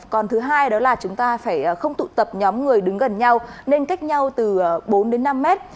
còn thứ hai đó là chúng ta phải không tụ tập nhóm người đứng gần nhau nên cách nhau từ bốn đến năm mét